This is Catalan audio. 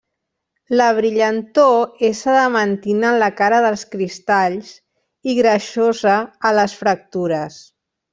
La brillantor és adamantina en la cara dels cristalls i greixosa a les fractures.